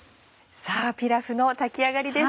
さぁピラフの炊き上がりです。